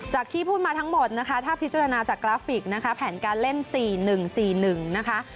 ที่พูดมาทั้งหมดนะคะถ้าพิจารณาจากกราฟิกนะคะแผนการเล่น๔๑๔๑นะคะ